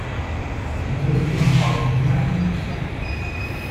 Muitas vezes falando duramente